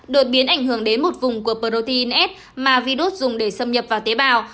đột biến ảnh hưởng đến một vùng của protein s mà virus dùng để xâm nhập vào tế bào